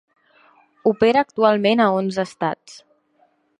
Opera actualment a onze estats.